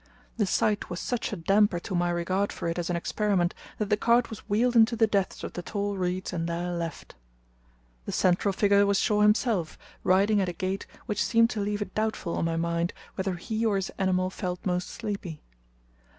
The sight was such a damper to my regard for it as an experiment, that the cart was wheeled into the depths of the tall reeds, and there left. The central figure was Shaw himself, riding at a gait which seemed to leave it doubtful on my mind whether he or his animal felt most sleepy.